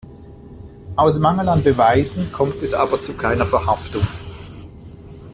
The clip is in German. Aus Mangel an Beweisen kommt es aber zu keiner Verhaftung.